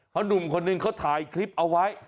เพราะหนุ่มคนหนึ่งเขาถ่ายคลิปเอาไว้